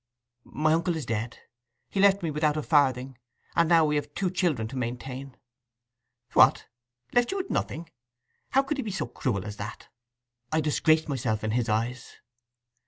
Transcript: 'My uncle is dead. He left me without a farthing. And now we have two children to maintain.' 'What, left you nothing? How could he be so cruel as that?' 'I disgraced myself in his eyes.